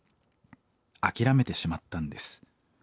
諦めてしまったんです。